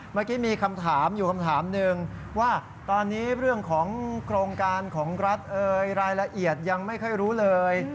เมื่อกี้มีคำถามอยู่คำถามหนึ่งว่าตอนนี้เรื่องของโครงการของรัฐเอ่ยรายละเอียดยังไม่ค่อยรู้เลย